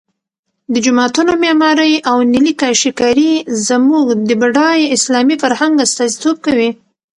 د جوماتونو معمارۍ او نیلي کاشي کاري زموږ د بډای اسلامي فرهنګ استازیتوب کوي.